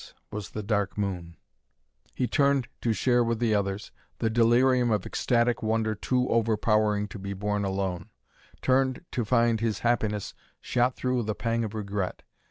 _ was the Dark Moon! He turned to share with the others the delirium of ecstatic wonder too overpowering to be borne alone turned, to find his happiness shot through with a pang of regret.